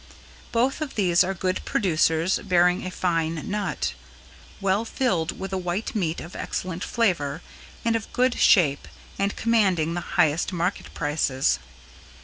Both of these are good producers bearing a fine nut, well filled with a white meat of excellent flavor, and of good shape and commanding the highest market prices.